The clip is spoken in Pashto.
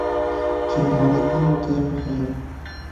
چې هلکانو ته يې وښييم.